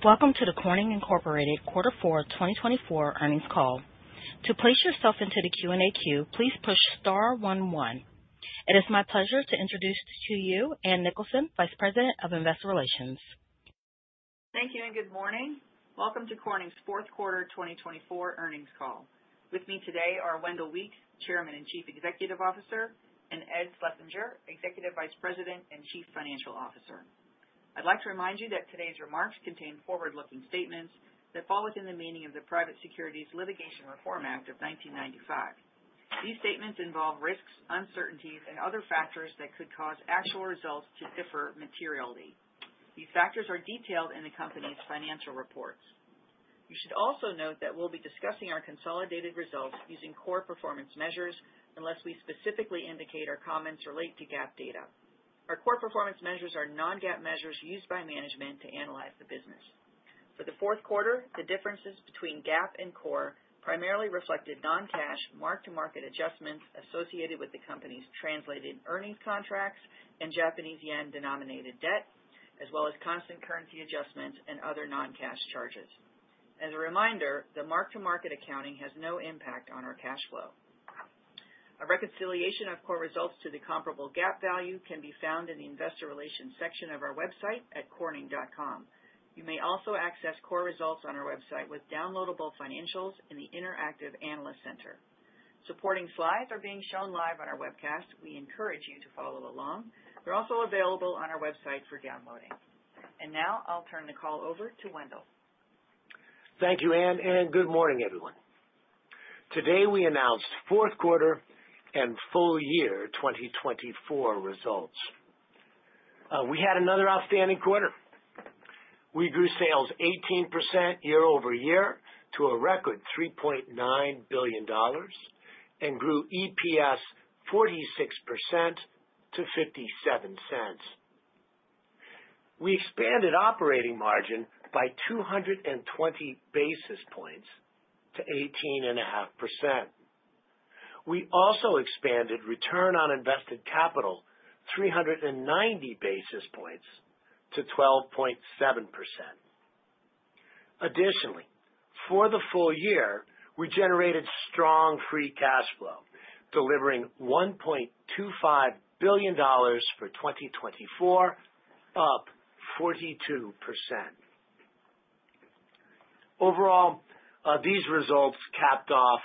Welcome to the Corning Incorporated Quarter Four 2024 earnings call. To place yourself into the Q&A queue, please push star 11. It is my pleasure to introduce to you Ann Nicholson, Vice President of Investor Relations. Thank you and good morning. Welcome to Corning's Fourth Quarter 2024 earnings call. With me today are Wendell Weeks, Chairman and Chief Executive Officer, and Ed Schlesinger, Executive Vice President and Chief Financial Officer. I'd like to remind you that today's remarks contain forward-looking statements that fall within the meaning of the Private Securities Litigation Reform Act of 1995. These statements involve risks, uncertainties, and other factors that could cause actual results to differ materially. These factors are detailed in the company's financial reports. You should also note that we'll be discussing our consolidated results using Core performance measures unless we specifically indicate our comments relate to GAAP data. Our Core performance measures are non-GAAP measures used by management to analyze the business. For the fourth quarter, the differences between GAAP and Core primarily reflected non-cash mark-to-market adjustments associated with the company's translated earnings contracts and Japanese yen-denominated debt, as well as constant currency adjustments and other non-cash charges. As a reminder, the mark-to-market accounting has no impact on our cash flow. A reconciliation of Core results to the comparable GAAP value can be found in the Investor Relations section of our website at corning.com. You may also access Core results on our website with downloadable financials in the Interactive Analyst Center. Supporting slides are being shown live on our webcast. We encourage you to follow along. They're also available on our website for downloading, and now I'll turn the call over to Wendell. Thank you, Ann, and good morning, everyone. Today we announced fourth quarter and full year 2024 results. We had another outstanding quarter. We grew sales 18% year over year to a record $3.9 billion and grew EPS 46% to $0.57. We expanded operating margin by 220 basis points to 18.5%. We also expanded return on invested capital 390 basis points to 12.7%. Additionally, for the full year, we generated strong free cash flow, delivering $1.25 billion for 2024, up 42%. Overall, these results capped off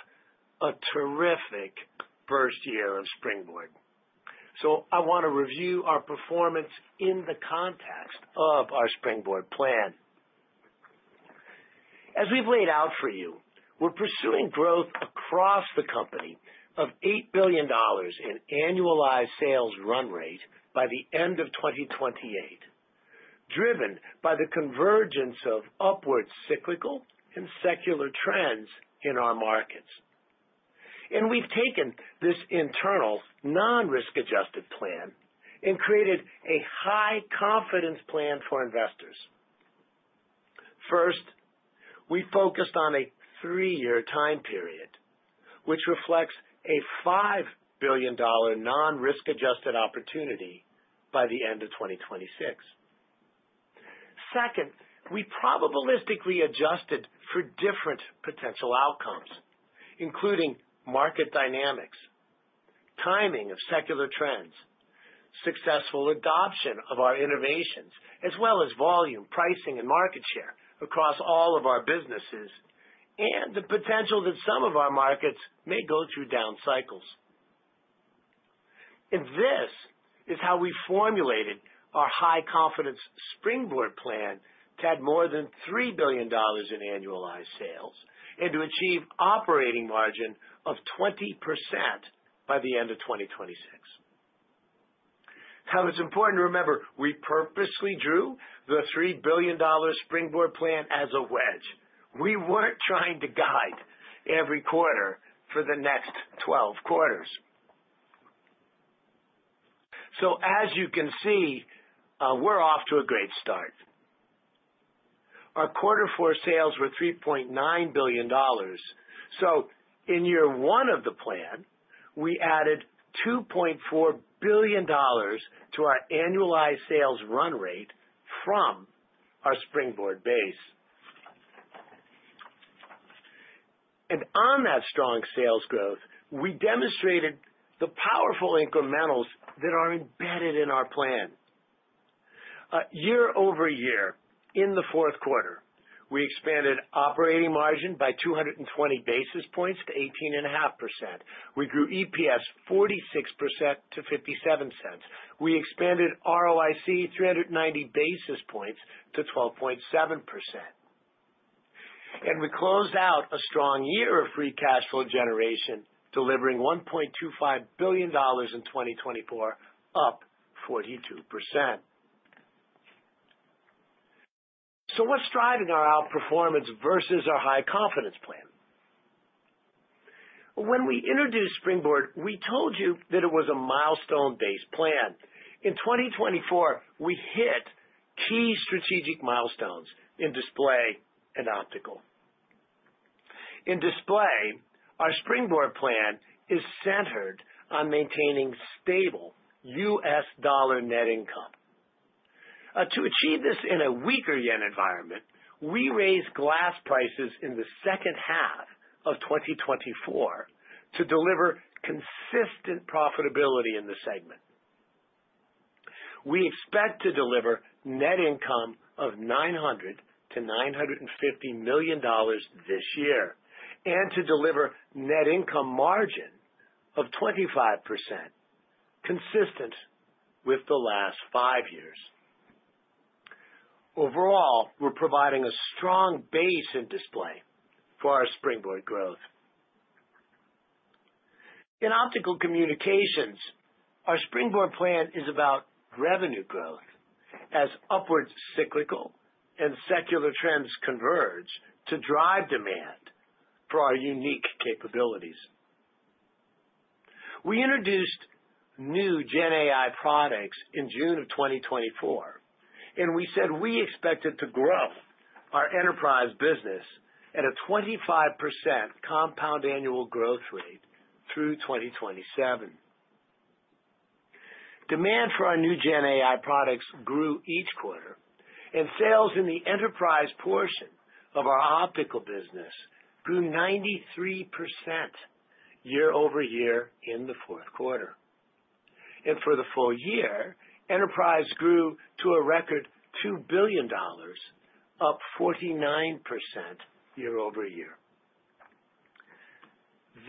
a terrific first year of Springboard, so I want to review our performance in the context of our Springboard plan. As we've laid out for you, we're pursuing growth across the company of $8 billion in annualized sales run rate by the end of 2028, driven by the convergence of upward cyclical and secular trends in our markets. We've taken this internal non-risk-adjusted plan and created a high confidence plan for investors. First, we focused on a three-year time period, which reflects a $5 billion non-risk-adjusted opportunity by the end of 2026. Second, we probabilistically adjusted for different potential outcomes, including market dynamics, timing of secular trends, successful adoption of our innovations, as well as volume, pricing, and market share across all of our businesses, and the potential that some of our markets may go through down cycles. This is how we formulated our high confidence Springboard plan to add more than $3 billion in annualized sales and to achieve operating margin of 20% by the end of 2026. Now, it's important to remember we purposely drew the $3 billion Springboard plan as a wedge. We weren't trying to guide every quarter for the next 12 quarters. So as you can see, we're off to a great start. Our quarter four sales were $3.9 billion. So in year one of the plan, we added $2.4 billion to our annualized sales run rate from our Springboard base. And on that strong sales growth, we demonstrated the powerful incrementals that are embedded in our plan. Year over year, in the fourth quarter, we expanded operating margin by 220 basis points to 18.5%. We grew EPS 46% to $0.57. We expanded ROIC 390 basis points to 12.7%. And we closed out a strong year of free cash flow generation, delivering $1.25 billion in 2024, up 42%. So what's driving our outperformance versus our high confidence plan? When we introduced Springboard, we told you that it was a milestone-based plan. In 2024, we hit key strategic milestones in Display and Optical. In Display, our Springboard plan is centered on maintaining stable U.S. dollar net income. To achieve this in a weaker yen environment, we raised glass prices in the second half of 2024 to deliver consistent profitability in the segment. We expect to deliver net income of $900 million-$950 million this year and to deliver net income margin of 25%, consistent with the last five years. Overall, we're providing a strong base in Display for our Springboard growth. In Optical Communications, our Springboard plan is about revenue growth as upward cyclical and secular trends converge to drive demand for our unique capabilities. We introduced new GenAI products in June of 2024, and we said we expected to grow our enterprise business at a 25% compound annual growth rate through 2027. Demand for our new Gen AI products grew each quarter, and sales in the enterprise portion of our optical business grew 93% year over year in the fourth quarter, and for the full year, enterprise grew to a record $2 billion, up 49% year over year.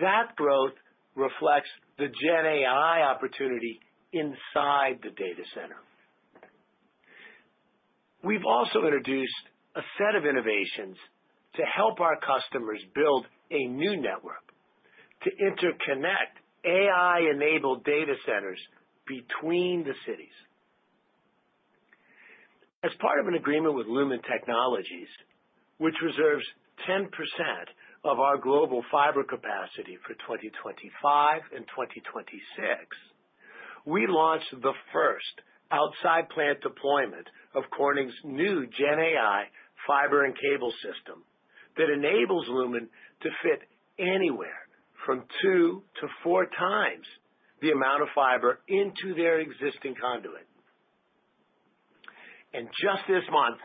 That growth reflects the Gen AI opportunity inside the data center. We've also introduced a set of innovations to help our customers build a new network to interconnect AI-enabled data centers between the cities. As part of an agreement with Lumen Technologies, which reserves 10% of our global fiber capacity for 2025 and 2026, we launched the first outside plant deployment of Corning's new Gen AI fiber and cable system that enables Lumen to fit anywhere from two to four times the amount of fiber into their existing conduit. Just this month,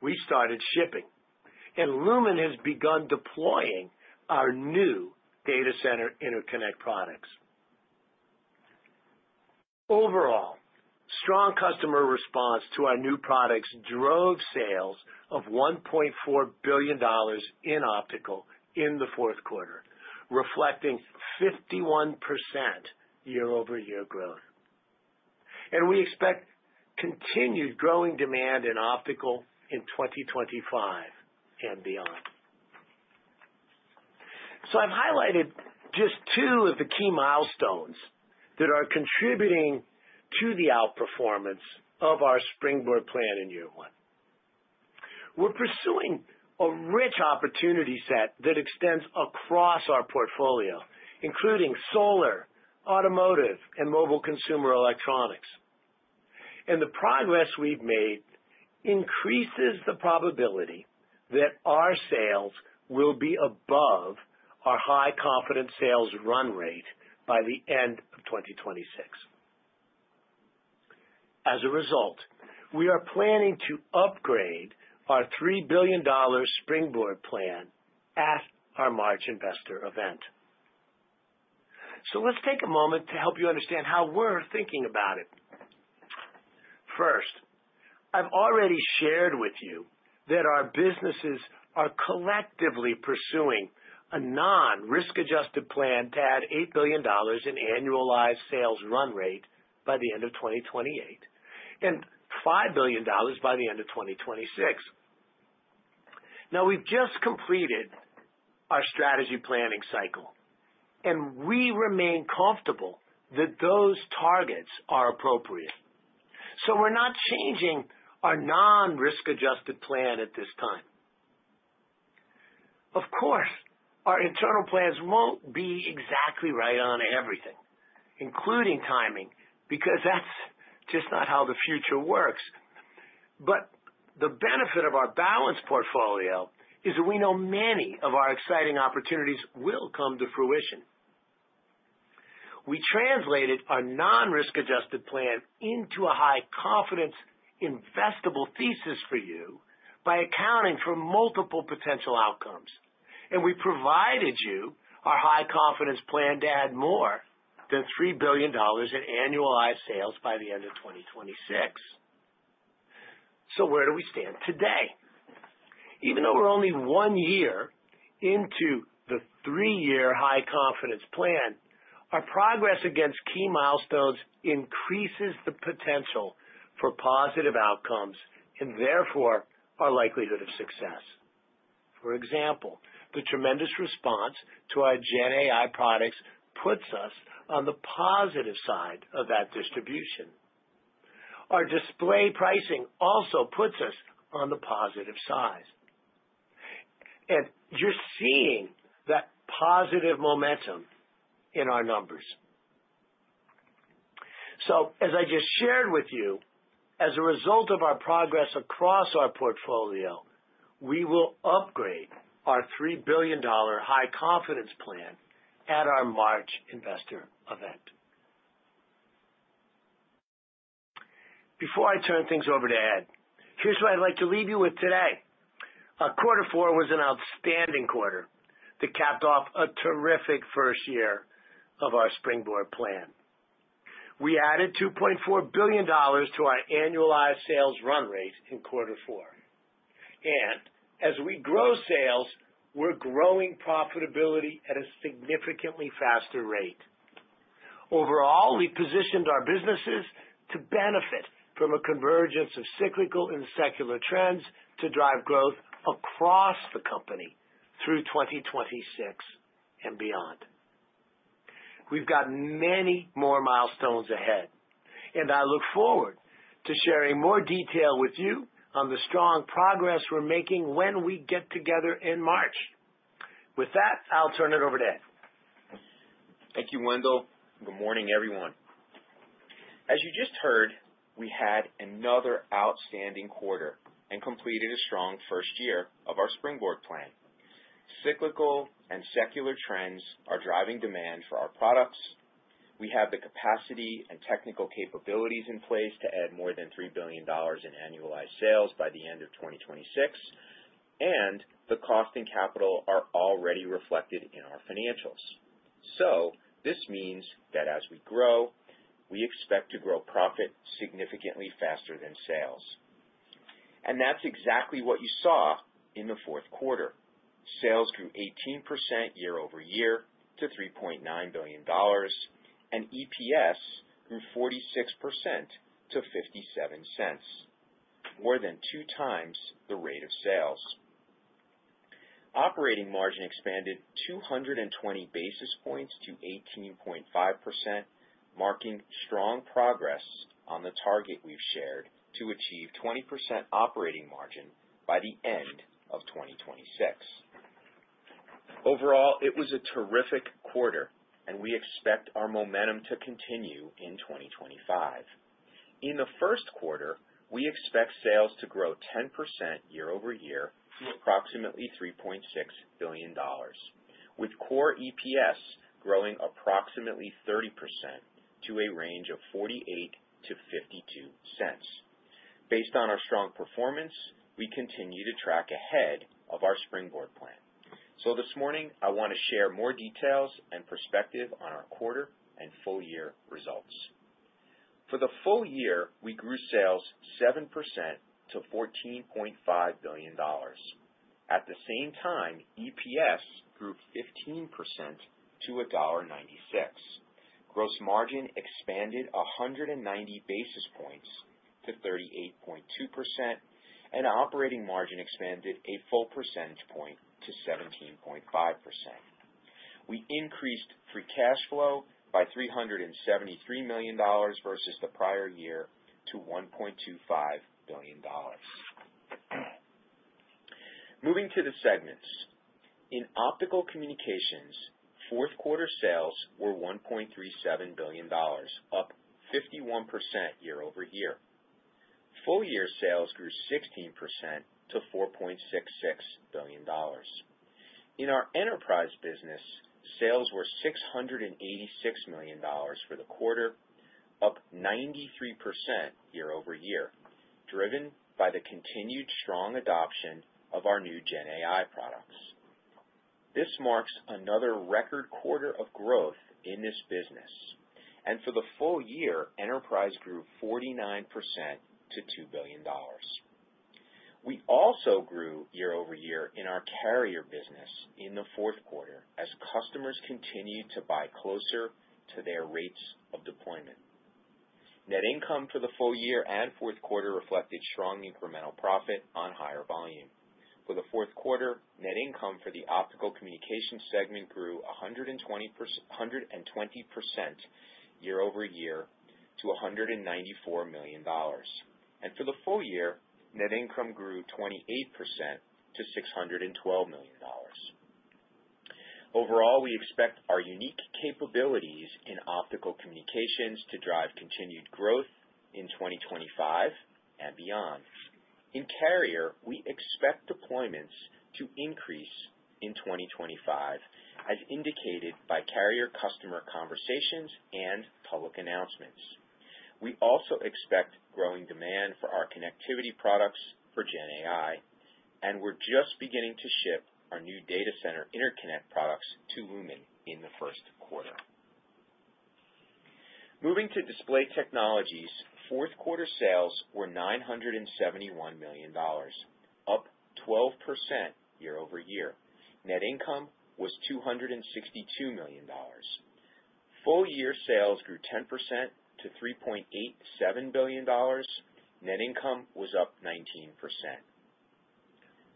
we started shipping, and Lumen has begun deploying our new Data Center Interconnect products. Overall, strong customer response to our new products drove sales of $1.4 billion in optical in the fourth quarter, reflecting 51% year-over-year growth. We expect continued growing demand in optical in 2025 and beyond. I've highlighted just two of the key milestones that are contributing to the outperformance of our Springboard plan in year one. We're pursuing a rich opportunity set that extends across our portfolio, including solar, automotive, and mobile consumer electronics. The progress we've made increases the probability that our sales will be above our high confidence sales run rate by the end of 2026. As a result, we are planning to upgrade our $3 billion Springboard plan at our March investor event. Let's take a moment to help you understand how we're thinking about it. First, I've already shared with you that our businesses are collectively pursuing a non-risk-adjusted plan to add $8 billion in annualized sales run rate by the end of 2028 and $5 billion by the end of 2026. Now, we've just completed our strategy planning cycle, and we remain comfortable that those targets are appropriate, so we're not changing our non-risk-adjusted plan at this time. Of course, our internal plans won't be exactly right on everything, including timing, because that's just not how the future works, but the benefit of our balanced portfolio is that we know many of our exciting opportunities will come to fruition. We translated our non-risk-adjusted plan into a high confidence investable thesis for you by accounting for multiple potential outcomes, and we provided you our high confidence plan to add more than $3 billion in annualized sales by the end of 2026. So where do we stand today? Even though we're only one year into the three-year high confidence plan, our progress against key milestones increases the potential for positive outcomes and therefore our likelihood of success. For example, the tremendous response to our GenAI products puts us on the positive side of that distribution. Our display pricing also puts us on the positive side. And you're seeing that positive momentum in our numbers. So as I just shared with you, as a result of our progress across our portfolio, we will upgrade our $3 billion high confidence plan at our March investor event. Before I turn things over to Ed, here's what I'd like to leave you with today. Quarter four was an outstanding quarter that capped off a terrific first year of our Springboard plan. We added $2.4 billion to our annualized sales run rate in quarter four. And as we grow sales, we're growing profitability at a significantly faster rate. Overall, we positioned our businesses to benefit from a convergence of cyclical and secular trends to drive growth across the company through 2026 and beyond. We've got many more milestones ahead, and I look forward to sharing more detail with you on the strong progress we're making when we get together in March. With that, I'll turn it over to Ed. Thank you, Wendell. Good morning, everyone. As you just heard, we had another outstanding quarter and completed a strong first year of our Springboard plan. Cyclical and secular trends are driving demand for our products. We have the capacity and technical capabilities in place to add more than $3 billion in annualized sales by the end of 2026, and the cost and capital are already reflected in our financials. So this means that as we grow, we expect to grow profit significantly faster than sales. And that's exactly what you saw in the fourth quarter. Sales grew 18% year-over-year to $3.9 billion, and EPS grew 46% to $0.57, more than two times the rate of sales. Operating margin expanded 220 basis points to 18.5%, marking strong progress on the target we've shared to achieve 20% operating margin by the end of 2026. Overall, it was a terrific quarter, and we expect our momentum to continue in 2025. In the first quarter, we expect sales to grow 10% year-over-year to approximately $3.6 billion, with core EPS growing approximately 30% to a range of $0.48-$0.52. Based on our strong performance, we continue to track ahead of our Springboard plan. So this morning, I want to share more details and perspective on our quarter and full-year results. For the full year, we grew sales 7% to $14.5 billion. At the same time, EPS grew 15% to $1.96. Gross margin expanded 190 basis points to 38.2%, and operating margin expanded a full percentage point to 17.5%. We increased free cash flow by $373 million versus the prior year to $1.25 billion. Moving to the segments. In Optical Communications, fourth quarter sales were $1.37 billion, up 51% year-over-year. Full-year sales grew 16% to $4.66 billion. In our enterprise business, sales were $686 million for the quarter, up 93% year-over-year, driven by the continued strong adoption of our new Gen AI products. This marks another record quarter of growth in this business, and for the full year, enterprise grew 49% to $2 billion. We also grew year-over-year in our carrier business in the fourth quarter as customers continued to buy closer to their rates of deployment. Net income for the full year and fourth quarter reflected strong incremental profit on higher volume. For the fourth quarter, net income for the Optical Communications segment grew 120% year-over-year to $194 million, and for the full year, net income grew 28% to $612 million. Overall, we expect our unique capabilities in Optical Communications to drive continued growth in 2025 and beyond. In carrier, we expect deployments to increase in 2025, as indicated by carrier customer conversations and public announcements. We also expect growing demand for our connectivity products for Gen AI, and we're just beginning to ship our new data center Interconnect products to Lumen in the first quarter. Moving to Display Technologies, fourth quarter sales were $971 million, up 12% year-over-year. Net income was $262 million. Full-year sales grew 10% to $3.87 billion. Net income was up 19%.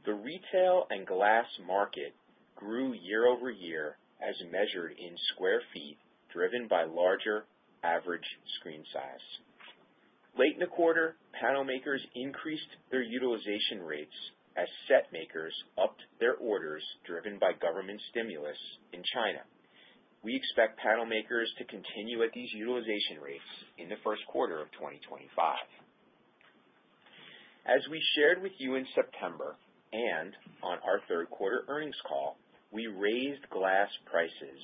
The retail and glass market grew year-over-year as measured in sq ft, driven by larger average screen size. Late in the quarter, panel makers increased their utilization rates as set makers upped their orders, driven by government stimulus in China. We expect panel makers to continue at these utilization rates in the first quarter of 2025. As we shared with you in September and on our third quarter earnings call, we raised glass prices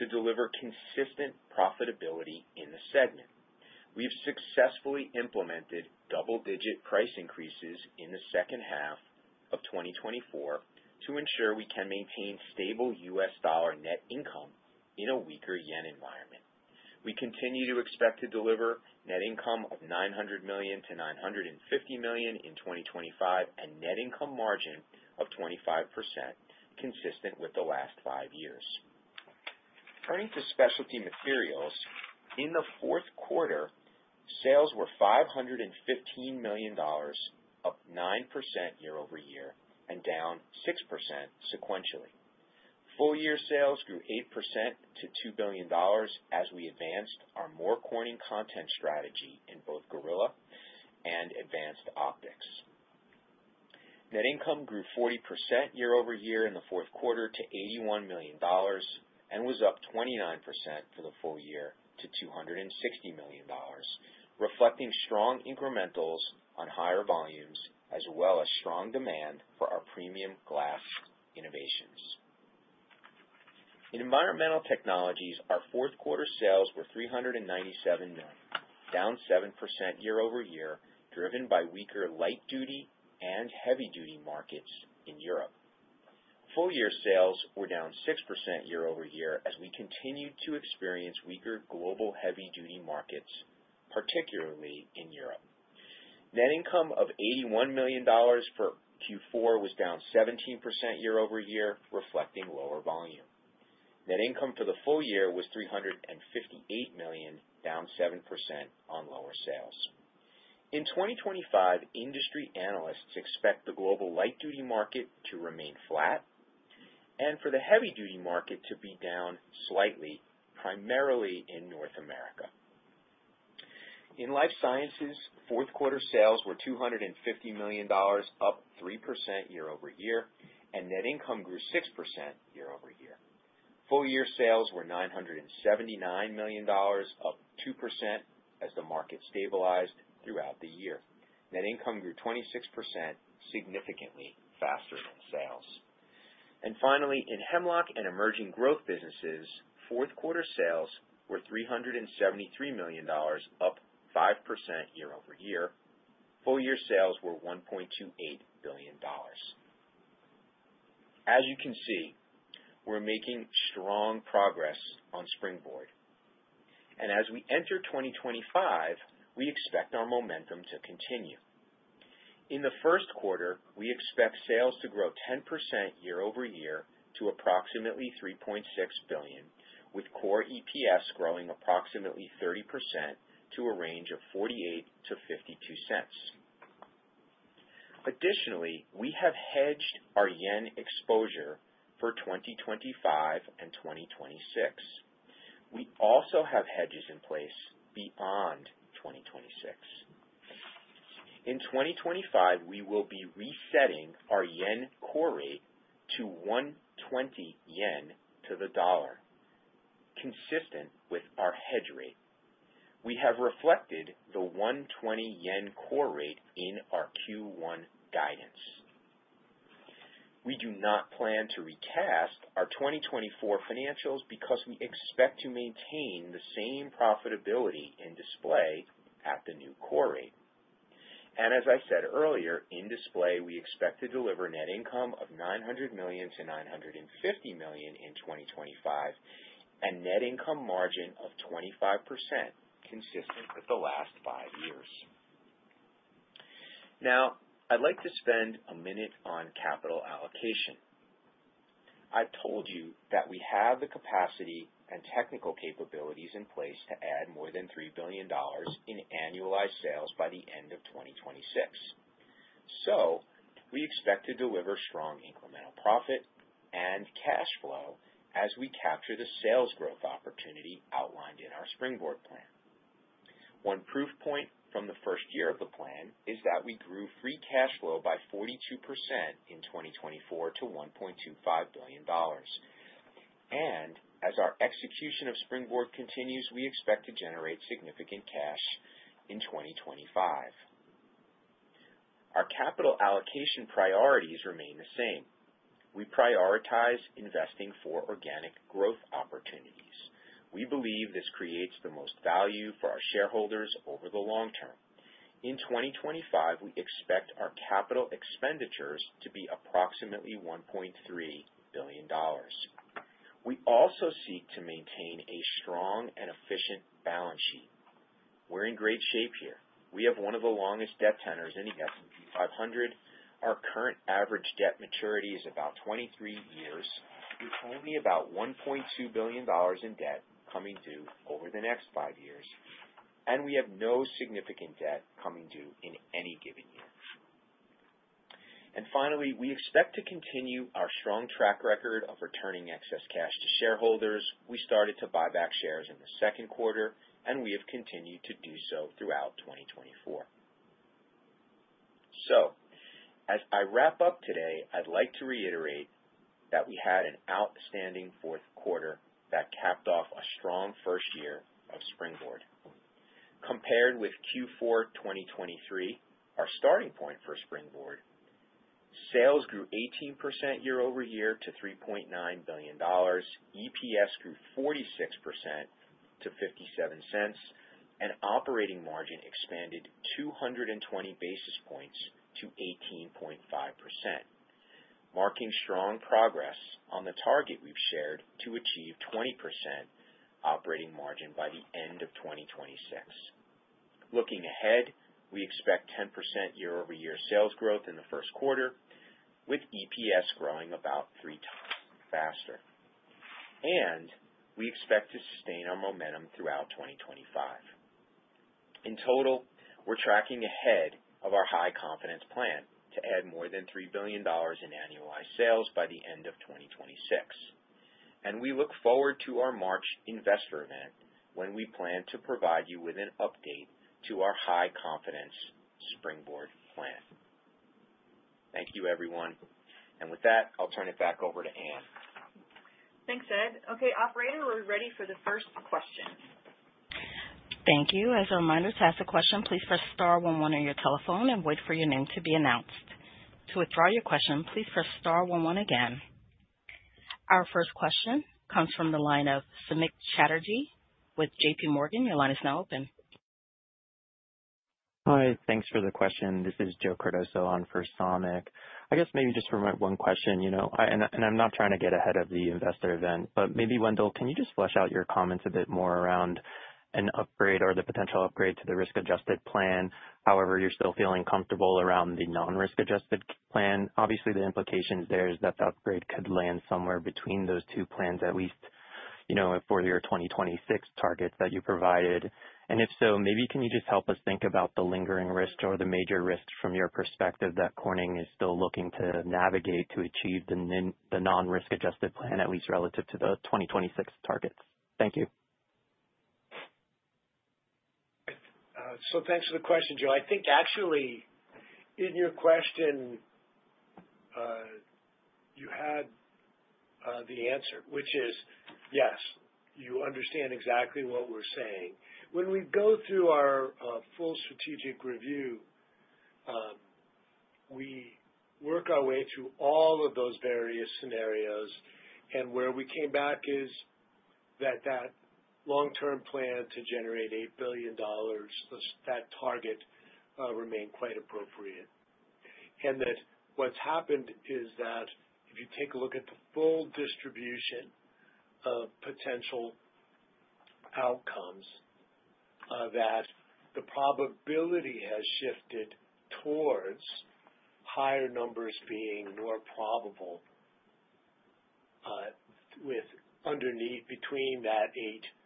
to deliver consistent profitability in the segment. We've successfully implemented double-digit price increases in the second half of 2024 to ensure we can maintain stable U.S. dollar net income in a weaker yen environment. We continue to expect to deliver net income of $900 million-$950 million in 2025 and net income margin of 25%, consistent with the last five years. Turning to Specialty Materials, in the fourth quarter, sales were $515 million, up 9% year-over-year and down 6% sequentially. Full-year sales grew 8% to $2 billion as we advanced our More Corning content strategy in both Gorilla and Advanced Optics. Net income grew 40% year-over-year in the fourth quarter to $81 million and was up 29% for the full year to $260 million, reflecting strong incrementals on higher volumes as well as strong demand for our premium glass innovations. In Environmental Technologies, our fourth quarter sales were $397 million, down 7% year-over-year, driven by weaker light-duty and heavy-duty markets in Europe. Full-year sales were down 6% year-over-year as we continued to experience weaker global heavy-duty markets, particularly in Europe. Net income of $81 million for Q4 was down 17% year-over-year, reflecting lower volume. Net income for the full year was $358 million, down 7% on lower sales. In 2025, industry analysts expect the global light-duty market to remain flat and for the heavy-duty market to be down slightly, primarily in North America. In Life Sciences, fourth quarter sales were $250 million, up 3% year-over-year, and net income grew 6% year-over-year. Full-year sales were $979 million, up 2% as the market stabilized throughout the year. Net income grew 26%, significantly faster than sales. Finally, in Hemlock and Emerging Growth Businesses, fourth quarter sales were $373 million, up 5% year-over-year. Full-year sales were $1.28 billion. As you can see, we're making strong progress on Springboard. As we enter 2025, we expect our momentum to continue. In the first quarter, we expect sales to grow 10% year-over-year to approximately $3.6 billion, with core EPS growing approximately 30% to a range of $0.48-$0.52. Additionally, we have hedged our yen exposure for 2025 and 2026. We also have hedges in place beyond 2026. In 2025, we will be resetting our yen core rate to 120 yen to the dollar, consistent with our hedge rate. We have reflected the 120 yen core rate in our Q1 guidance. We do not plan to recast our 2024 financials because we expect to maintain the same profitability in Display at the new core rate. And as I said earlier, in Display, we expect to deliver net income of $900 million-$950 million in 2025 and net income margin of 25%, consistent with the last five years. Now, I'd like to spend a minute on capital allocation. I've told you that we have the capacity and technical capabilities in place to add more than $3 billion in annualized sales by the end of 2026. So we expect to deliver strong incremental profit and cash flow as we capture the sales growth opportunity outlined in our Springboard plan. One proof point from the first year of the plan is that we grew free cash flow by 42% in 2024 to $1.25 billion. As our execution of Springboard continues, we expect to generate significant cash in 2025. Our capital allocation priorities remain the same. We prioritize investing for organic growth opportunities. We believe this creates the most value for our shareholders over the long term. In 2025, we expect our capital expenditures to be approximately $1.3 billion. We also seek to maintain a strong and efficient balance sheet. We're in great shape here. We have one of the longest debt tenors in the S&P 500. Our current average debt maturity is about 23 years. We're only about $1.2 billion in debt coming due over the next five years. And we have no significant debt coming due in any given year. And finally, we expect to continue our strong track record of returning excess cash to shareholders. We started to buy back shares in the second quarter, and we have continued to do so throughout 2024. So as I wrap up today, I'd like to reiterate that we had an outstanding fourth quarter that capped off a strong first year of Springboard. Compared with Q4 2023, our starting point for Springboard, sales grew 18% year-over-year to $3.9 billion. EPS grew 46% to $0.57, and operating margin expanded 220 basis points to 18.5%, marking strong progress on the target we've shared to achieve 20% operating margin by the end of 2026. Looking ahead, we expect 10% year-over-year sales growth in the first quarter, with EPS growing about three times faster. And we expect to sustain our momentum throughout 2025. In total, we're tracking ahead of our high confidence plan to add more than $3 billion in annualized sales by the end of 2026. We look forward to our March investor event when we plan to provide you with an update to our high confidence Springboard plan. Thank you, everyone. And with that, I'll turn it back over to Ann. Thanks, Ed. Okay, operator, we're ready for the first question. Thank you. As a reminder, to ask a question, please press star 11 on your telephone and wait for your name to be announced. To withdraw your question, please press star 11 again. Our first question comes from the line of Samik Chatterjee with JP Morgan. Your line is now open. Hi, thanks for the question. This is Joe Cardoso on for Samik. I guess maybe just for my one question, you know, and I'm not trying to get ahead of the investor event, but maybe, Wendell, can you just flesh out your comments a bit more around an upgrade or the potential upgrade to the risk-adjusted plan, however you're still feeling comfortable around the non-risk-adjusted plan? Obviously, the implications there is that the upgrade could land somewhere between those two plans, at least, you know, for your 2026 targets that you provided. And if so, maybe can you just help us think about the lingering risks or the major risks from your perspective that Corning is still looking to navigate to achieve the non-risk-adjusted plan, at least relative to the 2026 targets? Thank you. So thanks for the question, Joe. I think actually in your question, you had the answer, which is yes, you understand exactly what we're saying. When we go through our full strategic review, we work our way through all of those various scenarios, and where we came back is that that long-term plan to generate $8 billion, that target remained quite appropriate, and that what's happened is that if you take a look at the full distribution of potential outcomes, that the probability has shifted towards higher numbers being more probable with underneath between that eight and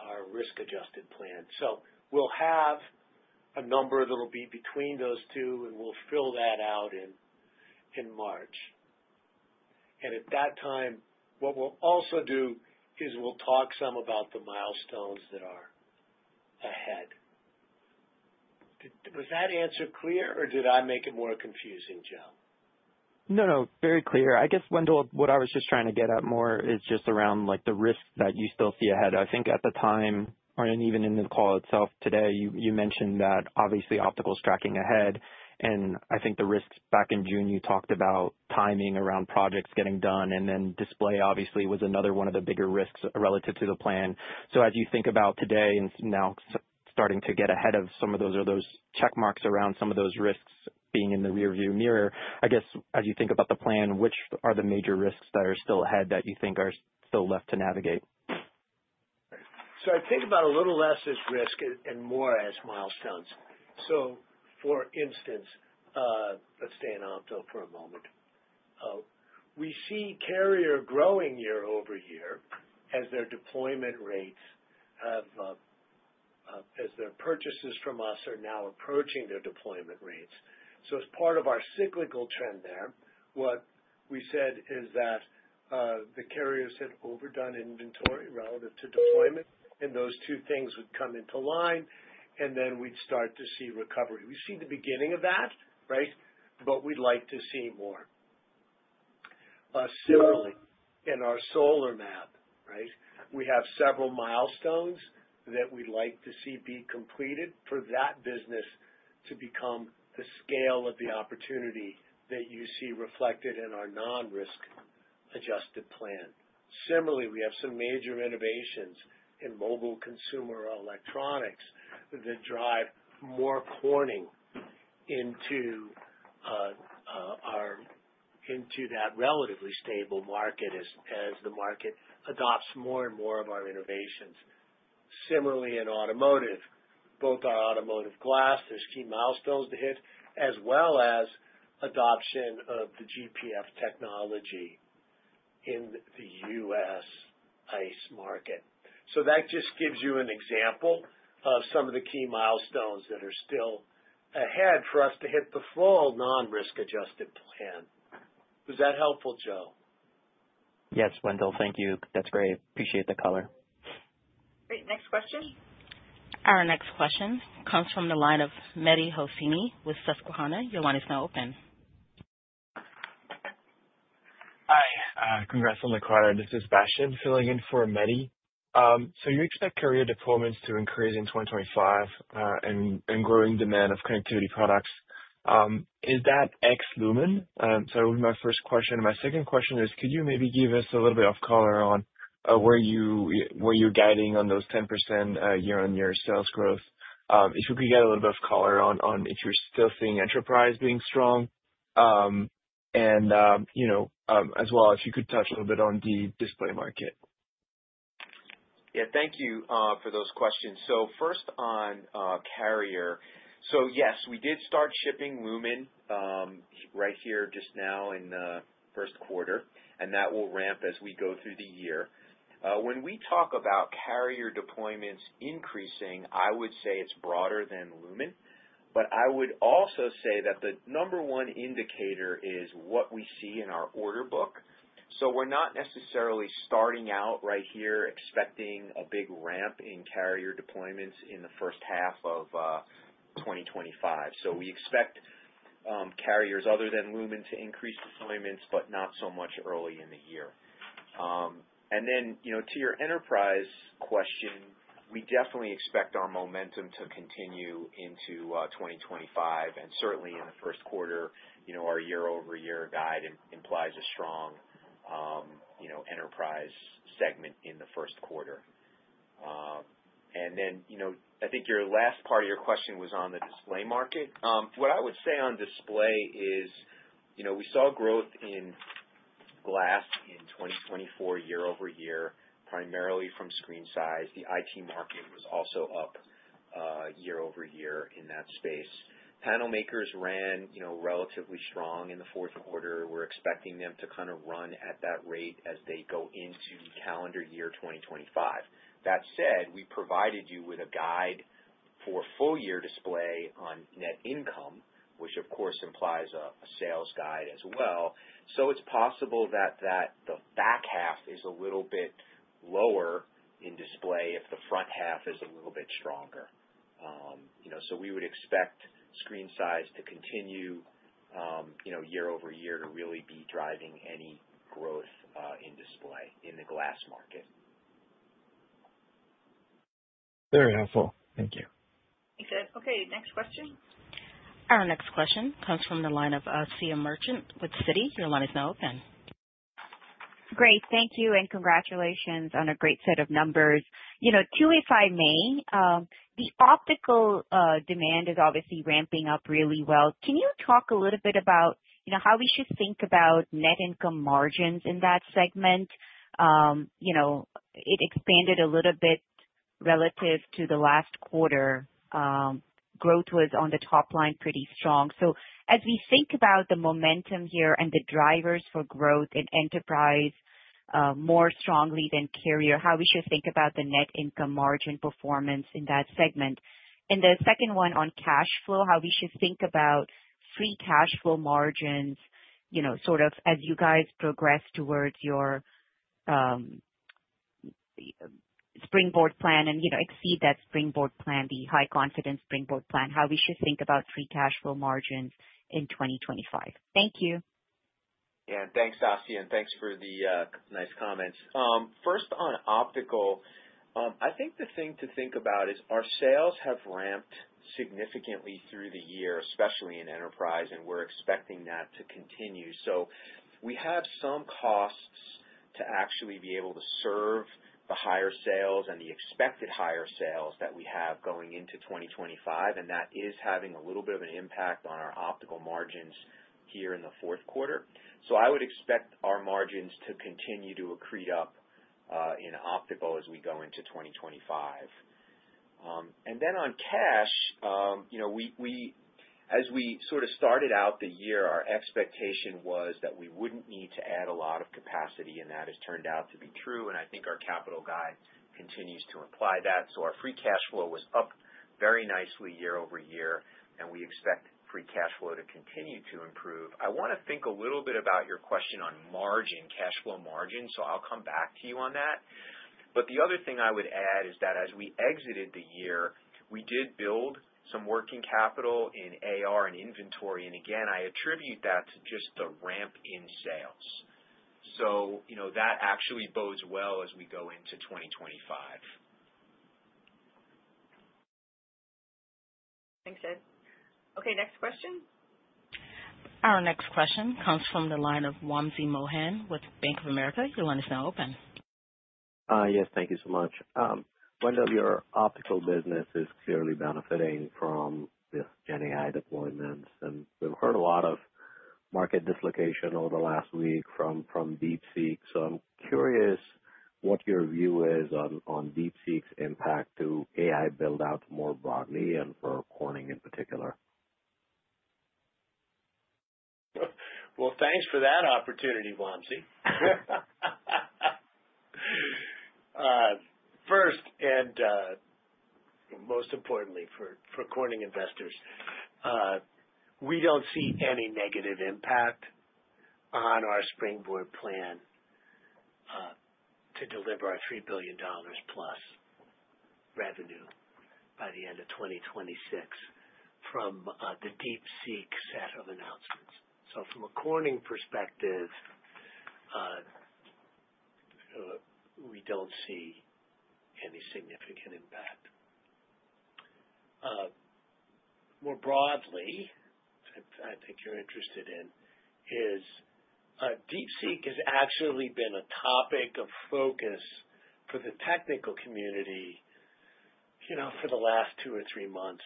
our risk-adjusted plan. So we'll have a number that'll be between those two, and we'll fill that out in March. And at that time, what we'll also do is we'll talk some about the milestones that are ahead. Was that answer clear, or did I make it more confusing, Joe? No, no, very clear. I guess, Wendell, what I was just trying to get at more is just around like the risks that you still see ahead. I think at the time, or even in the call itself today, you mentioned that obviously optical is tracking ahead. And I think the risks back in June, you talked about timing around projects getting done, and then display obviously was another one of the bigger risks relative to the plan. So as you think about today and now starting to get ahead of some of those, are those checkmarks around some of those risks being in the rearview mirror? I guess as you think about the plan, which are the major risks that are still ahead that you think are still left to navigate? So I think about a little less as risk and more as milestones. So for instance, let's stay in optical for a moment. We see carrier growing year over year as their deployment rates, as their purchases from us are now approaching their deployment rates. So as part of our cyclical trend there, what we said is that the carriers had overdone inventory relative to deployment, and those two things would come into line, and then we'd start to see recovery. We see the beginning of that, right? But we'd like to see more. Similarly, in our solar map, right? We have several milestones that we'd like to see be completed for that business to become the scale of the opportunity that you see reflected in our non-risk-adjusted plan. Similarly, we have some major innovations in mobile consumer electronics that drive more Corning into that relatively stable market as the market adopts more and more of our innovations. Similarly, in automotive, both our automotive glass, there's key milestones to hit, as well as adoption of the GPF technology in the U.S. ICE market. So that just gives you an example of some of the key milestones that are still ahead for us to hit the full non-risk-adjusted plan. Was that helpful, Joe? Yes, Wendell, thank you. That's great. Appreciate the color. Great. Next question. Our next question comes from the line of Mehdi Hosseini with Susquehanna. Your line is now open. Hi, congrats on the call. This is Bastian filling in for Mehdi. So you expect carrier deployments to increase in 2025 and growing demand of connectivity products. Is that ex Lumen? So that would be my first question. My second question is, could you maybe give us a little bit of color on where you're guiding on those 10% year-on-year sales growth? If you could get a little bit of color on if you're still seeing enterprise being strong and, you know, as well if you could touch a little bit on the display market? Yeah, thank you for those questions. So first on carrier. So yes, we did start shipping Lumen right here just now in the first quarter, and that will ramp as we go through the year. When we talk about carrier deployments increasing, I would say it's broader than Lumen, but I would also say that the number one indicator is what we see in our order book. So we're not necessarily starting out right here expecting a big ramp in carrier deployments in the first half of 2025. So we expect carriers other than Lumen to increase deployments, but not so much early in the year. You know, to your enterprise question, we definitely expect our momentum to continue into 2025. Certainly in the first quarter, you know, our year-over-year guide implies a strong, you know, enterprise segment in the first quarter. I think your last part of your question was on the display market. What I would say on display is, you know, we saw growth in glass in 2024 year-over-year, primarily from screen size. The IT market was also up year-over-year in that space. Panel makers ran, you know, relatively strong in the fourth quarter. We're expecting them to kind of run at that rate as they go into calendar year 2025. That said, we provided you with a guide for full year display on net income, which of course implies a sales guide as well. So it's possible that the back half is a little bit lower in display if the front half is a little bit stronger. You know, so we would expect screen size to continue, you know, year-over-year to really be driving any growth in display in the glass market. Very helpful. Thank you. Thank you, Ed. Okay, next question. Our next question comes from the line of Asiya Merchant with Citi. Your line is now open. Great. Thank you. And congratulations on a great set of numbers. You know, too, if I may, the optical demand is obviously ramping up really well. Can you talk a little bit about, you know, how we should think about net income margins in that segment? You know, it expanded a little bit relative to the last quarter. Growth was on the top line pretty strong. So, as we think about the momentum here and the drivers for growth in enterprise more strongly than carrier, how we should think about the net income margin performance in that segment? And the second one on cash flow, how we should think about free cash flow margins, you know, sort of as you guys progress towards your Springboard plan and, you know, exceed that Springboard plan, the high confidence Springboard plan, how we should think about free cash flow margins in 2025. Thank you. Yeah, thanks, Asiya, and thanks for the nice comments. First on optical, I think the thing to think about is our sales have ramped significantly through the year, especially in enterprise, and we're expecting that to continue. So we have some costs to actually be able to serve the higher sales and the expected higher sales that we have going into 2025, and that is having a little bit of an impact on our optical margins here in the fourth quarter. So I would expect our margins to continue to accrete up in optical as we go into 2025. And then on cash, you know, as we sort of started out the year, our expectation was that we wouldn't need to add a lot of capacity, and that has turned out to be true. And I think our capital guide continues to imply that. So our free cash flow was up very nicely year-over-year, and we expect free cash flow to continue to improve. I want to think a little bit about your question on margin, cash flow margin, so I'll come back to you on that. But the other thing I would add is that as we exited the year, we did build some working capital in AR and inventory, and again, I attribute that to just the ramp in sales. So, you know, that actually bodes well as we go into 2025. Thanks, Ed. Okay, next question. Our next question comes from the line of Wamsi Mohan with Bank of America. Your line is now open. Yes, thank you so much. Wendell, your optical business is clearly benefiting from this GenAI deployment, and we've heard a lot of market dislocation over the last week from DeepSeek. So I'm curious what your view is on DeepSeek's impact to AI build-out more broadly and for Corning in particular. Well, thanks for that opportunity, Wamsi. First, and most importantly for Corning investors, we don't see any negative impact on our Springboard plan to deliver our $3 billion plus revenue by the end of 2026 from the DeepSeek set of announcements. So from a Corning perspective, we don't see any significant impact. More broadly, I think you're interested in is DeepSeek has actually been a topic of focus for the technical community, you know, for the last two or three months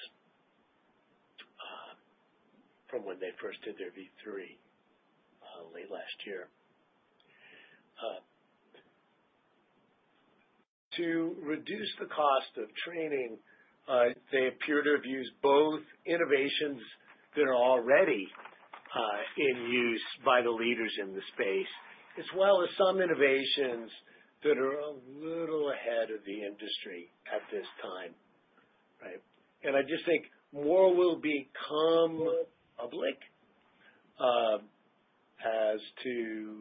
from when they first did their V3 late last year. To reduce the cost of training, they appear to have used both innovations that are already in use by the leaders in the space, as well as some innovations that are a little ahead of the industry at this time, right? And I just think more will become public as to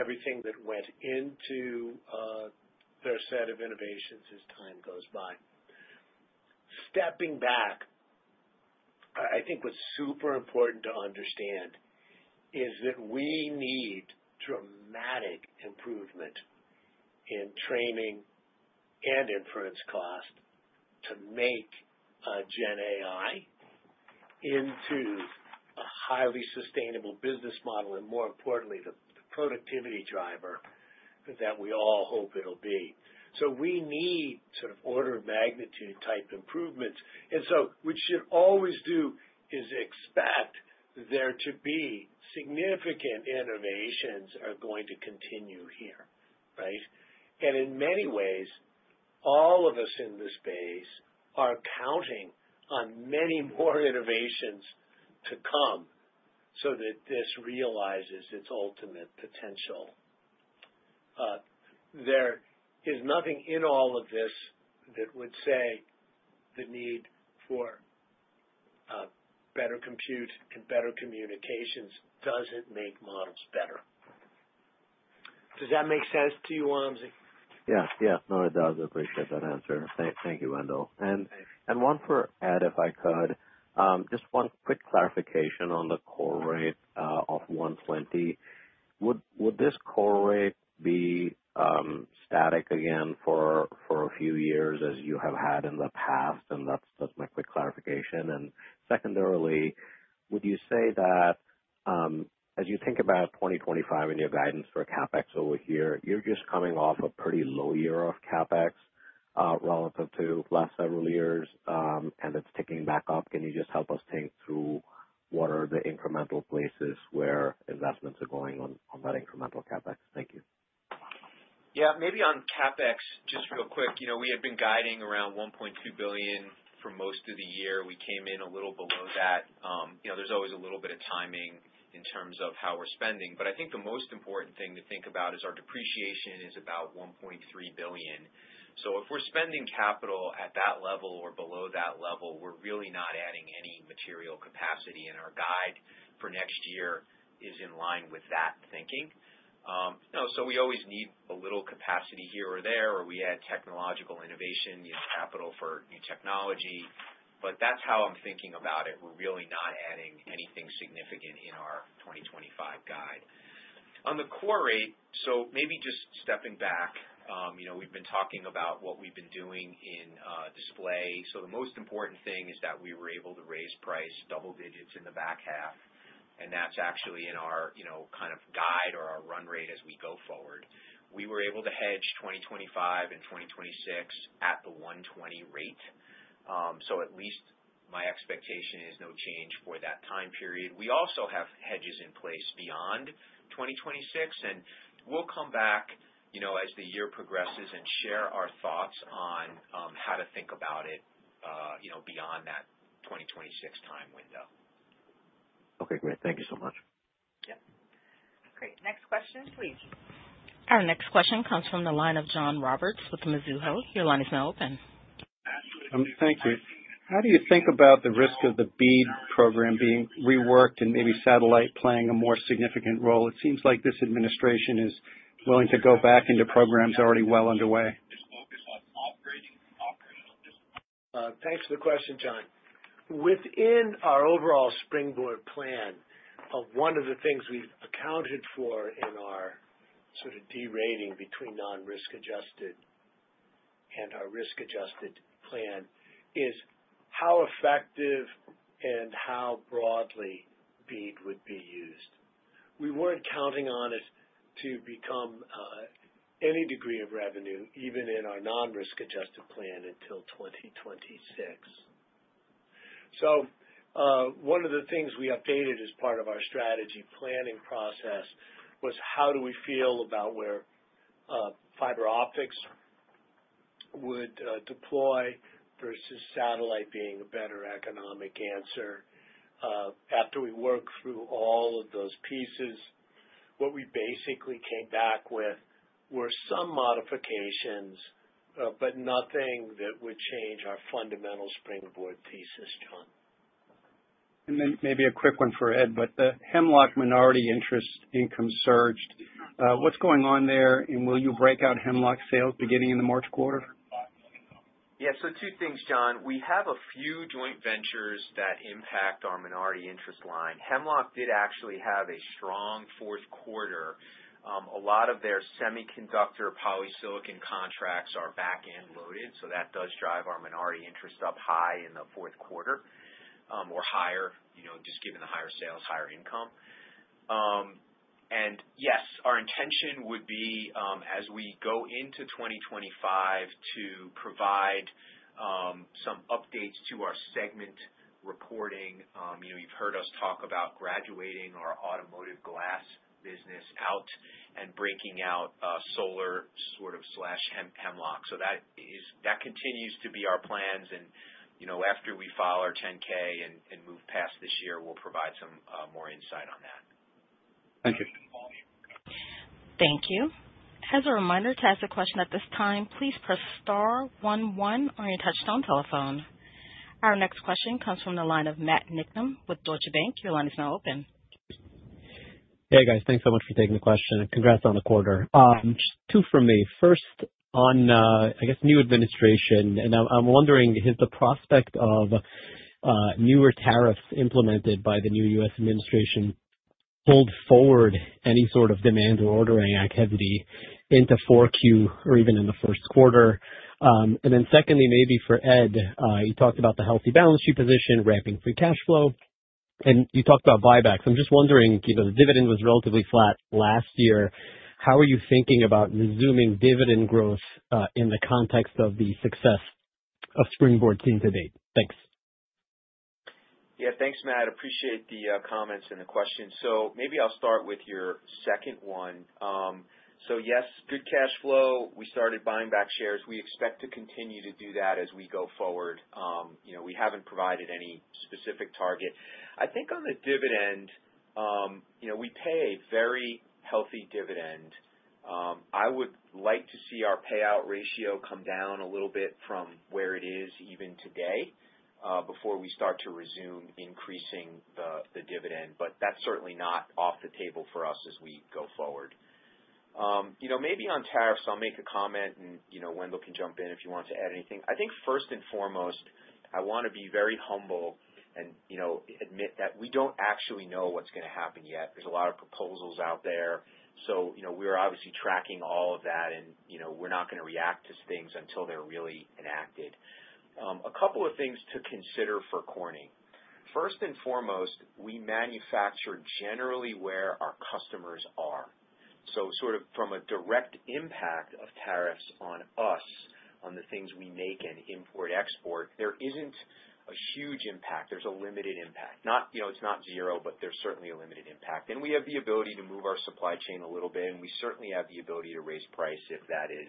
everything that went into their set of innovations as time goes by. Stepping back, I think what's super important to understand is that we need dramatic improvement in training and inference cost to make GenAI into a highly sustainable business model and, more importantly, the productivity driver that we all hope it'll be. So we need sort of order of magnitude type improvements. And so what we should always do is expect there to be significant innovations that are going to continue here, right? And in many ways, all of us in this space are counting on many more innovations to come so that this realizes its ultimate potential. There is nothing in all of this that would say the need for better compute and better communications doesn't make models better. Does that make sense to you, Wamsy? Yeah, yeah, no, it does. I appreciate that answer. Thank you, Wendell. And one for Ed, if I could, just one quick clarification on the core rate of 120. Would this core rate be static again for a few years as you have had in the past? And that's my quick clarification. And secondarily, would you say that as you think about 2025 in your guidance for CapEx over here, you're just coming off a pretty low year of CapEx relative to the last several years, and it's ticking back up? Can you just help us think through what are the incremental places where investments are going on that incremental CapEx? Thank you. Yeah, maybe on CapEx, just real quick, you know, we had been guiding around $1.2 billion for most of the year. We came in a little below that. You know, there's always a little bit of timing in terms of how we're spending. But I think the most important thing to think about is our depreciation is about $1.3 billion. So if we're spending capital at that level or below that level, we're really not adding any material capacity. And our guide for next year is in line with that thinking. You know, so we always need a little capacity here or there, or we add technological innovation, you know, capital for new technology. But that's how I'm thinking about it. We're really not adding anything significant in our 2025 guide. On the core rate, so maybe just stepping back, you know, we've been talking about what we've been doing in display. So the most important thing is that we were able to raise price double digits in the back half. And that's actually in our, you know, kind of guide or our run rate as we go forward. We were able to hedge 2025 and 2026 at the 120 rate. So at least my expectation is no change for that time period. We also have hedges in place beyond 2026. And we'll come back, you know, as the year progresses and share our thoughts on how to think about it, you know, beyond that 2026 time window. Okay, great. Thank you so much. Yep. Great. Next question, please. Our next question comes from the line of John Roberts with Mizuho. Your line is now open. Thank you. How do you think about the risk of the BEAD program being reworked and maybe satellite playing a more significant role? It seems like this administration is willing to go back into programs already well underway. Thanks for the question, John. Within our overall Springboard plan, one of the things we've accounted for in our sort of derating between non-risk adjusted and our risk adjusted plan is how effective and how broadly BEAD would be used. We weren't counting on it to become any degree of revenue, even in our non-risk adjusted plan until 2026. So one of the things we updated as part of our strategy planning process was how do we feel about where fiber optics would deploy versus satellite being a better economic answer. After we worked through all of those pieces, what we basically came back with were some modifications, but nothing that would change our fundamental Springboard thesis, John. And then maybe a quick one for Ed, but the Hemlock minority interest income surged. What's going on there, and will you break out Hemlock sales beginning in the March quarter? Yeah, so two things, John. We have a few joint ventures that impact our minority interest line. Hemlock did actually have a strong fourth quarter. A lot of their semiconductor polysilicon contracts are back-end loaded, so that does drive our minority interest up high in the fourth quarter or higher, you know, just given the higher sales, higher income. And yes, our intention would be, as we go into 2025, to provide some updates to our segment reporting. You know, you've heard us talk about graduating our automotive glass business out and breaking out solar sort of slash Hemlock. So that continues to be our plans. And, you know, after we file our 10K and move past this year, we'll provide some more insight on that. Thank you. Thank you. As a reminder to ask a question at this time, please press star one one on your touch-tone telephone. Our next question comes from the line of Matt Niknam with Deutsche Bank. Your line is now open. Hey, guys, thanks so much for taking the question. Congrats on the quarter. Just two for me. First, on, I guess, new administration, and I'm wondering, has the prospect of newer tariffs implemented by the new U.S. administration pulled forward any sort of demand or ordering activity into 4Q or even in the first quarter? And then secondly, maybe for Ed, you talked about the healthy balance sheet position, ramping free cash flow, and you talked about buybacks. I'm just wondering, you know, the dividend was relatively flat last year. How are you thinking about resuming dividend growth in the context of the success of Springboard seen to date? Thanks. Yeah, thanks, Matt. Appreciate the comments and the questions. So maybe I'll start with your second one. So yes, good cash flow. We started buying back shares. We expect to continue to do that as we go forward. You know, we haven't provided any specific target. I think on the dividend, you know, we pay a very healthy dividend. I would like to see our payout ratio come down a little bit from where it is even today before we start to resume increasing the dividend, but that's certainly not off the table for us as we go forward. You know, maybe on tariffs, I'll make a comment, and, you know, Wendell can jump in if you want to add anything. I think first and foremost, I want to be very humble and, you know, admit that we don't actually know what's going to happen yet. There's a lot of proposals out there. So, you know, we're obviously tracking all of that, and, you know, we're not going to react to things until they're really enacted. A couple of things to consider for Corning. First and foremost, we manufacture generally where our customers are. So sort of from a direct impact of tariffs on us, on the things we make and import-export, there isn't a huge impact. There's a limited impact. Not, you know, it's not zero, but there's certainly a limited impact. And we have the ability to move our supply chain a little bit, and we certainly have the ability to raise price if that is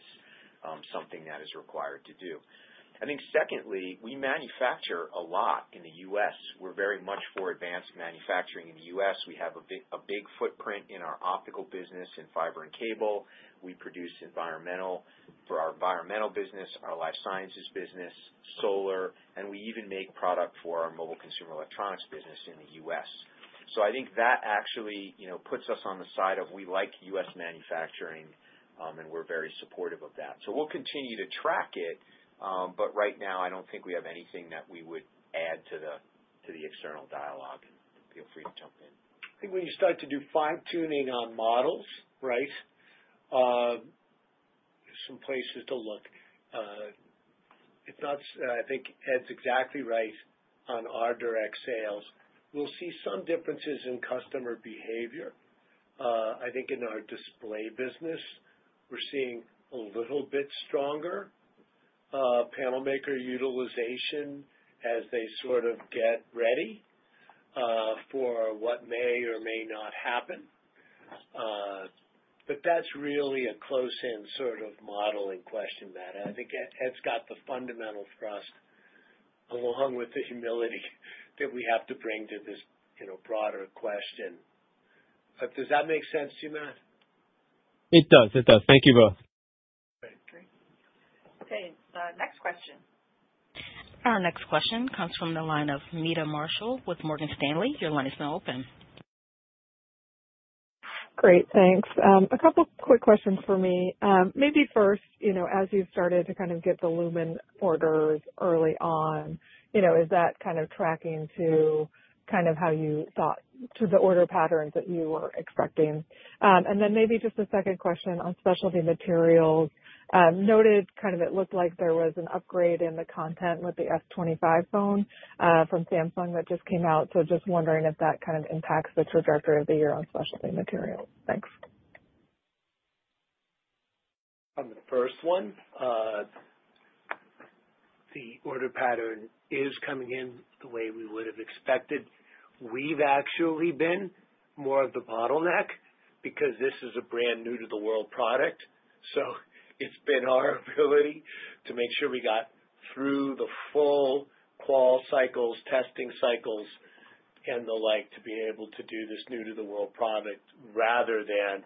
something that is required to do. I think secondly, we manufacture a lot in the U.S. We're very much for advanced manufacturing in the U.S. We have a big footprint in our optical business and fiber and cable. We produce environmental for our environmental business, our life sciences business, solar, and we even make product for our mobile consumer electronics business in the U.S. So I think that actually, you know, puts us on the side of we like U.S. manufacturing, and we're very supportive of that. So we'll continue to track it, but right now, I don't think we have anything that we would add to the external dialogue. Feel free to jump in. I think when you start to do fine-tuning on models, right, there's some places to look. If not, I think Ed's exactly right on our direct sales. We'll see some differences in customer behavior. I think in our display business, we're seeing a little bit stronger panel maker utilization as they sort of get ready for what may or may not happen. But that's really a closed-end sort of modeling question, Matt. I think Ed's got the fundamental thrust along with the humility that we have to bring to this, you know, broader question. Does that make sense to you, Matt? It does. It does. Thank you both. Great. Okay. Next question. Our next question comes from the line of Meta Marshall with Morgan Stanley. Your line is now open. Great. Thanks. A couple of quick questions for me. Maybe first, you know, as you started to kind of get the Lumen orders early on, you know, is that kind of tracking to kind of how you thought to the order patterns that you were expecting? And then maybe just a second question on Specialty Materials. Noted kind of it looked like there was an upgrade in the content with the S25 phone from Samsung that just came out. So just wondering if that kind of impacts the trajectory of the year on Specialty Materials? Thanks. On the first one, the order pattern is coming in the way we would have expected. We've actually been more of the bottleneck because this is a brand new-to-the-world product. So it's been our ability to make sure we got through the full qual cycles, testing cycles, and the like to be able to do this new-to-the-world product rather than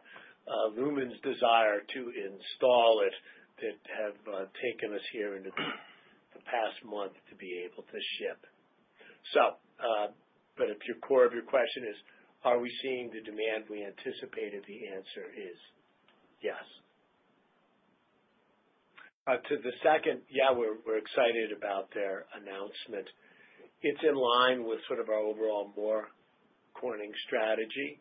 Lumen's desire to install it that have taken us here into the past month to be able to ship. So, but if your core of your question is, are we seeing the demand we anticipated, the answer is yes. To the second, yeah, we're excited about their announcement. It's in line with sort of our overall more Corning strategy.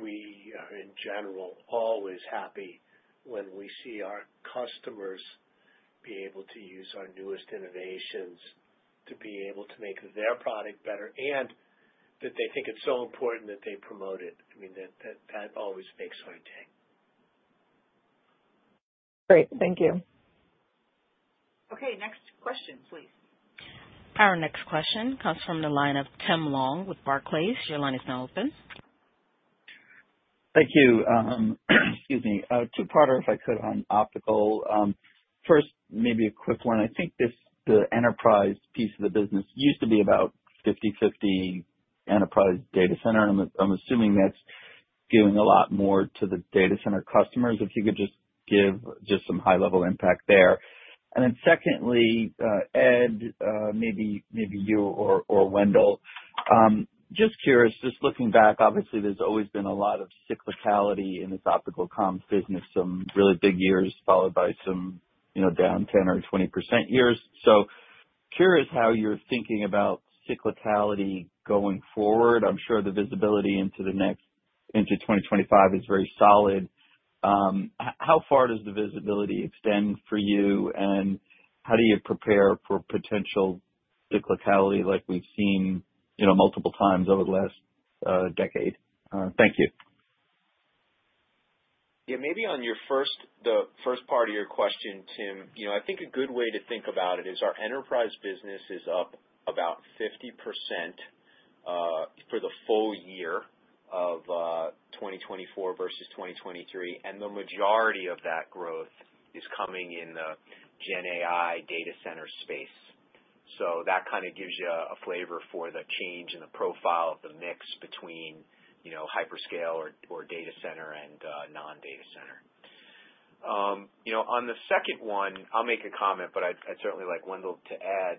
We are, in general, always happy when we see our customers be able to use our newest innovations to be able to make their product better and that they think it's so important that they promote it. I mean, that always makes our day. Great. Thank you. Okay. Next question, please. Our next question comes from the line of Tim Long with Barclays. Your line is now open. Thank you. Excuse me. Two-parter, if I could, on optical. First, maybe a quick one. I think the enterprise piece of the business used to be about 50/50 enterprise data center. I'm assuming that's giving a lot more to the data center customers if you could just give just some high-level impact there. And then secondly, Ed, maybe you or Wendell. Just curious, just looking back, obviously, there's always been a lot of cyclicality in this optical comms business, some really big years followed by some, you know, down 10% or 20% years. So curious how you're thinking about cyclicality going forward. I'm sure the visibility into the next into 2025 is very solid. How far does the visibility extend for you, and how do you prepare for potential cyclicality like we've seen, you know, multiple times over the last decade? Thank you. Yeah, maybe on your first, the first part of your question, Tim, you know, I think a good way to think about it is our enterprise business is up about 50% for the full year of 2024 versus 2023. And the majority of that growth is coming in the GenAI data center space. So that kind of gives you a flavor for the change in the profile of the mix between, you know, hyperscale or data center and non-data center. You know, on the second one, I'll make a comment, but I'd certainly like Wendell to add.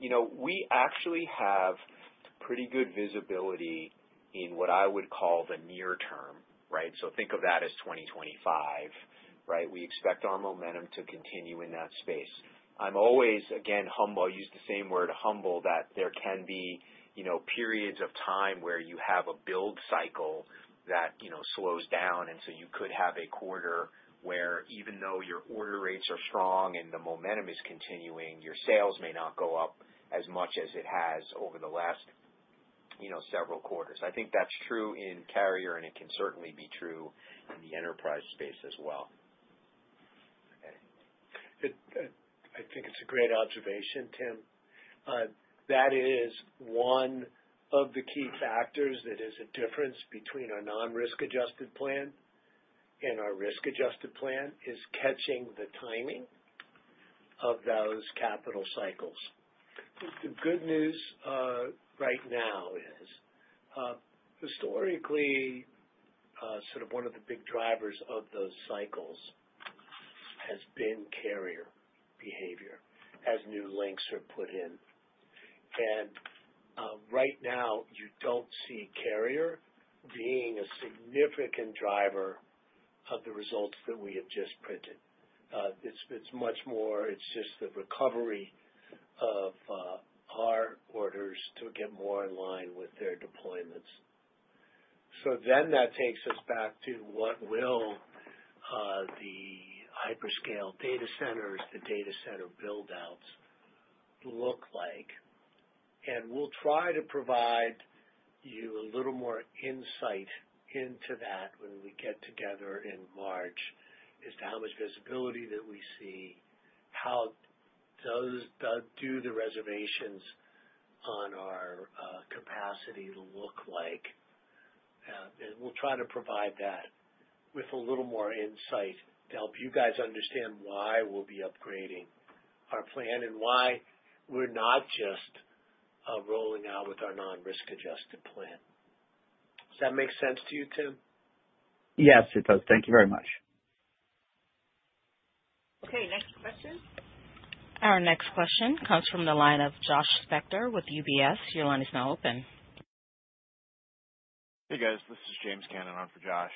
You know, we actually have pretty good visibility in what I would call the near term, right? So think of that as 2025, right? We expect our momentum to continue in that space. I'm always, again, humble. I use the same word, humble, that there can be, you know, periods of time where you have a build cycle that, you know, slows down. And so you could have a quarter where even though your order rates are strong and the momentum is continuing, your sales may not go up as much as it has over the last, you know, several quarters. I think that's true in carrier, and it can certainly be true in the enterprise space as well. I think it's a great observation, Tim. That is one of the key factors that is a difference between our non-risk adjusted plan and our risk adjusted plan is catching the timing of those capital cycles. The good news right now is historically sort of one of the big drivers of those cycles has been carrier behavior as new links are put in. And right now, you don't see carrier being a significant driver of the results that we have just printed. It's much more, it's just the recovery of our orders to get more in line with their deployments. So then that takes us back to what will the hyperscale data centers, the data center buildouts look like. We'll try to provide you a little more insight into that when we get together in March as to how much visibility that we see, how do the reservations on our capacity look like. And we'll try to provide that with a little more insight to help you guys understand why we'll be upgrading our plan and why we're not just rolling out with our non-risk adjusted plan. Does that make sense to you, Tim? Yes, it does. Thank you very much. Okay. Next question. Our next question comes from the line of Josh Spector with UBS. Your line is now open. Hey, guys. This is James Cannon on for Josh.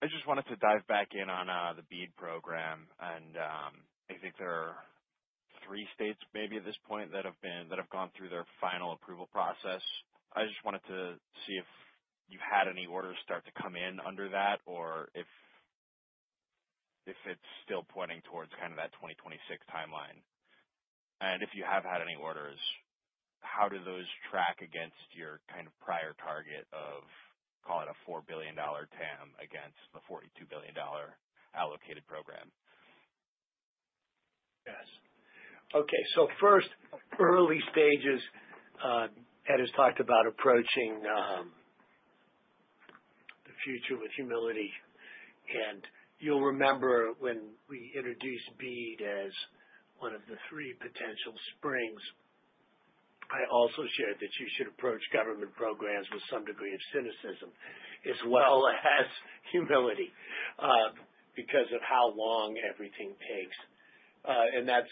I just wanted to dive back in on the BEAD program, and I think there are three states maybe at this point that have gone through their final approval process. I just wanted to see if you've had any orders start to come in under that or if it's still pointing towards kind of that 2026 timeline? And if you have had any orders, how do those track against your kind of prior target of, call it a $4 billion TAM against the $42 billion allocated program? Yes. Okay. So first, early stages, Ed has talked about approaching the future with humility, and you'll remember when we introduced BEAD as one of the three potential springs. I also shared that you should approach government programs with some degree of cynicism as well as humility because of how long everything takes, and that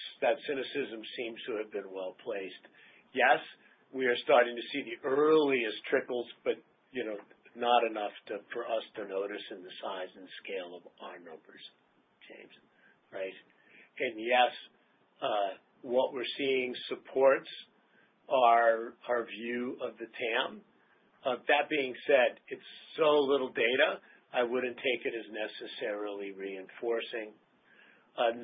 cynicism seems to have been well placed. Yes, we are starting to see the earliest trickles, but, you know, not enough for us to notice in the size and scale of our numbers, James, right? And yes, what we're seeing supports our view of the TAM. That being said, it's so little data. I wouldn't take it as necessarily reinforcing,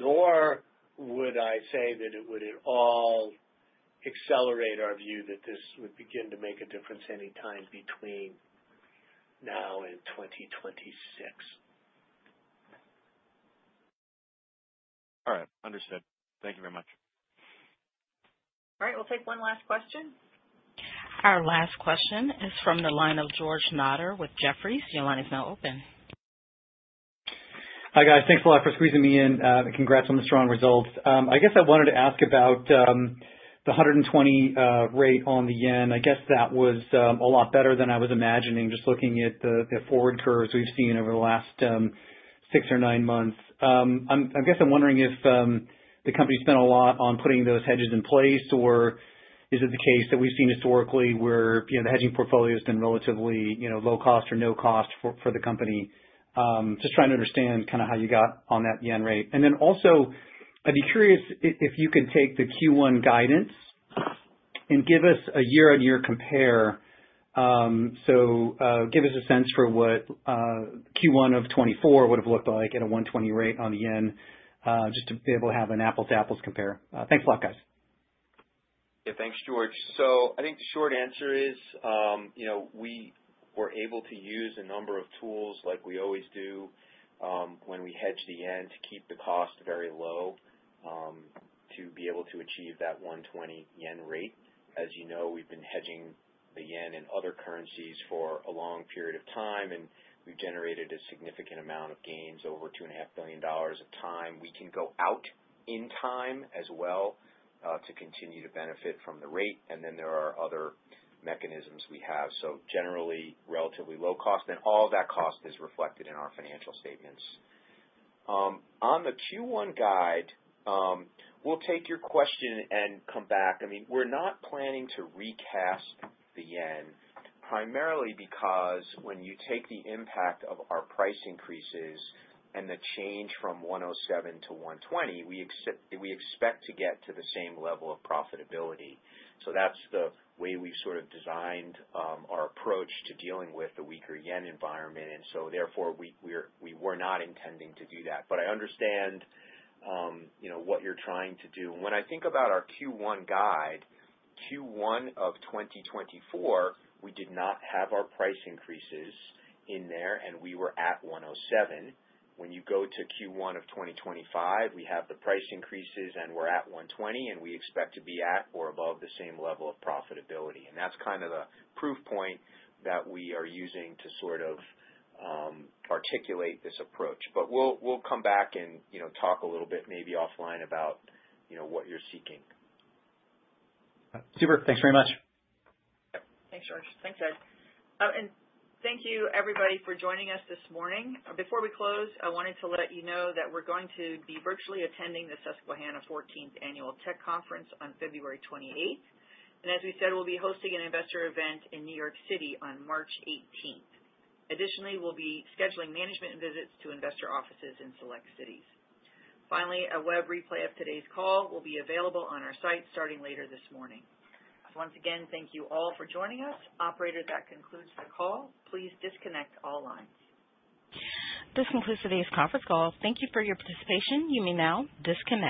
nor would I say that it would at all accelerate our view that this would begin to make a difference anytime between now and 2026. All right. Understood. Thank you very much. All right. We'll take one last question. Our last question is from the line of George Notter with Jefferies. Your line is now open. Hi, guys. Thanks a lot for squeezing me in. Congrats on the strong results. I guess I wanted to ask about the 120 rate on the yen. I guess that was a lot better than I was imagining just looking at the forward curves we've seen over the last six or nine months. I guess I'm wondering if the company spent a lot on putting those hedges in place, or is it the case that we've seen historically where, you know, the hedging portfolio has been relatively, you know, low cost or no cost for the company? Just trying to understand kind of how you got on that yen rate. And then also, I'd be curious if you could take the Q1 guidance and give us a year-on-year compare. So give us a sense for what Q1 of 2024 would have looked like at a 120 rate on the yen just to be able to have an apples-to-apples compare. Thanks a lot, guys. Yeah. Thanks, George. So I think the short answer is, you know, we were able to use a number of tools like we always do when we hedge the yen to keep the cost very low to be able to achieve that 120 yen rate. As you know, we've been hedging the yen in other currencies for a long period of time, and we've generated a significant amount of gains, over $2.5 billion over time. We can go out in time as well to continue to benefit from the rate. And then there are other mechanisms we have. So generally, relatively low cost. And all of that cost is reflected in our financial statements. On the Q1 guide, we'll take your question and come back. I mean, we're not planning to recast the yen primarily because when you take the impact of our price increases and the change from 107 to 120, we expect to get to the same level of profitability. So that's the way we've sort of designed our approach to dealing with the weaker yen environment. And so therefore, we were not intending to do that. But I understand, you know, what you're trying to do. And when I think about our Q1 guide, Q1 of 2024, we did not have our price increases in there, and we were at 107. When you go to Q1 of 2025, we have the price increases, and we're at 120, and we expect to be at or above the same level of profitability. And that's kind of the proof point that we are using to sort of articulate this approach. But we'll come back and, you know, talk a little bit maybe offline about, you know, what you're seeking. Super. Thanks very much. Thanks, George. Thanks, Ed. And thank you, everybody, for joining us this morning. Before we close, I wanted to let you know that we're going to be virtually attending the Susquehanna 14th Annual Tech Conference on February 28th. And as we said, we'll be hosting an investor event in New York City on March 18th. Additionally, we'll be scheduling management visits to investor offices in select cities. Finally, a web replay of today's call will be available on our site starting later this morning. Once again, thank you all for joining us. Operator, that concludes the call. Please disconnect all lines. This concludes today's conference call. Thank you for your participation. You may now disconnect.